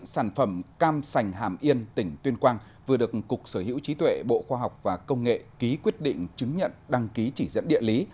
sản phẩm cam sành hàm yên tỉnh tuyên quang vừa được cục sở hữu trí tuệ bộ khoa học và công nghệ ký quyết định chứng nhận đăng ký chỉ dẫn địa lý